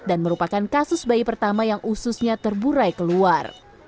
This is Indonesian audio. dan merupakan kasus bayi pertama yang ususnya terburai keluar